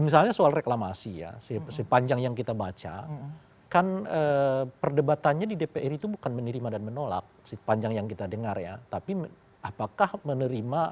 misalnya soal reklamasi ya sepanjang yang kita baca kan perdebatannya di dpr itu bukan menerima dan menolak sepanjang yang kita dengar ya tapi apakah menerima